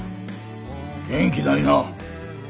元気ないな。